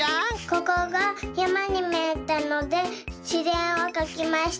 ここがやまにみえたのでしぜんをかきました。